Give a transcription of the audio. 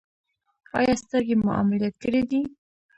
ایا سترګې مو عملیات کړي دي؟